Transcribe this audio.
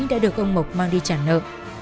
đã được ông mộc mang đi trả nợ